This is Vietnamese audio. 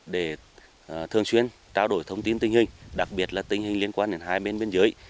để thường xuyên trao đổi thông tin tình hình đặc biệt là tình hình liên quan đến hai bên biên giới